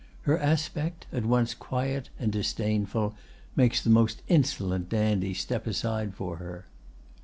Her aspect, at once quiet and disdainful, makes the most insolent dandy step aside for her.